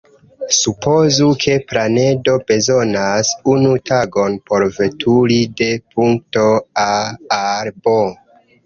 Supozu, ke planedo bezonas unu tagon por veturi de punkto "A" al "B".